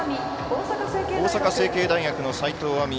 大阪成蹊大学の齋藤愛美